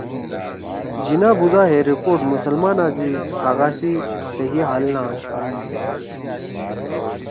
جناح بُودا ہے رپورٹ مسلمانا سی حقآ سی صحیح حل نہ آشُو